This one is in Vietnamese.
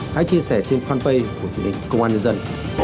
hãy chia sẻ trên fanpage của chính phủ công an nhân dân